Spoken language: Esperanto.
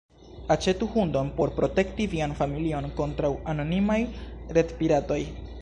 Aĉetu hundon por protekti vian familion kontraŭ anonimaj retpiratoj.